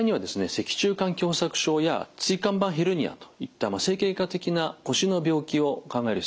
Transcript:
脊柱管狭窄症や椎間板ヘルニアといった整形外科的な腰の病気を考える必要があるということです。